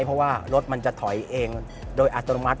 เพราะว่ารถมันจะถอยเองโดยอัตโนมัติ